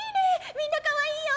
みんなかわいいよ！